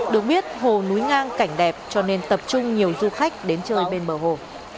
được biết hồ núi ngang cảnh đẹp cho nên tập trung nhiều du khách đến chơi bên bờ hồ